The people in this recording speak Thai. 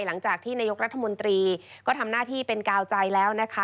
หลังจากที่นายกรัฐมนตรีก็ทำหน้าที่เป็นกาวใจแล้วนะคะ